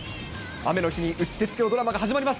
雨の日にうってつけのドラマが始まります。